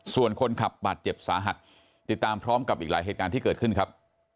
ส่วนคนขับบาดเจ็บสาหัสติดตามพร้อมกับอีกหลายเหตุการณ์ที่เกิดขึ้นครับ